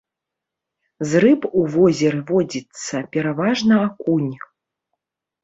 З рыб у возеры водзіцца пераважна акунь.